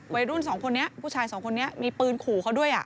วัยรุ่นสองคนนี้ผู้ชายสองคนนี้มีปืนขู่เขาด้วย